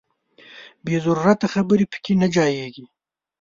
بې ضرورته خبرې پکې نه ځاییږي.